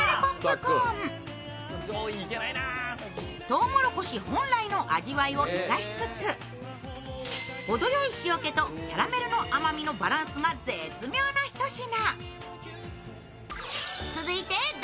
とうもろこし本来の味わいを生かしつつほどよい塩気とキャラメルの甘みのバランスが絶妙なひと品。